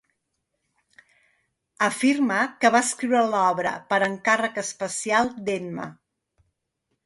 Afirma que va escriure l'obra per encàrrec especial d'Emma.